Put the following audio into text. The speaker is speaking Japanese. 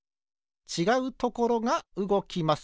ちがうところがうごきます。